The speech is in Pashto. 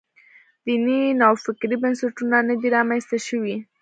دیني نوفکرۍ بنسټونه نه دي رامنځته شوي.